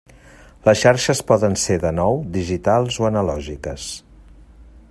Les xarxes poden ser, de nou, digitals o analògiques.